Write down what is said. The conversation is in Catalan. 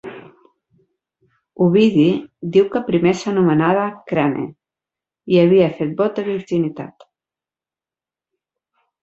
Ovidi diu que primer s'anomenava Crane, i havia fet vot de virginitat.